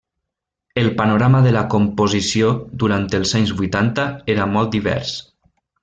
El panorama de la composició durant els anys vuitanta era molt divers.